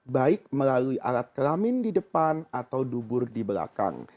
baik melalui alat kelamin di depan atau dubur di belakang